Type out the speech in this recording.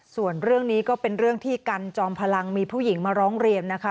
ส่วนเรื่องนี้ก็เป็นเรื่องที่กันจอมพลังมีผู้หญิงมาร้องเรียนนะคะ